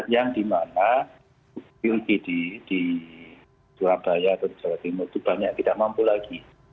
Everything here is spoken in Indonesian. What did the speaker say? yang dimana pubd di surabaya atau di jawa timur itu banyak tidak mampu lagi